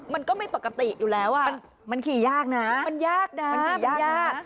มันก็ไม่ปกติอยู่แล้วอ่ะมันขี่ยากนะมันยากนะ